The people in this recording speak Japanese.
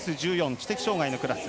知的障がいのクラス。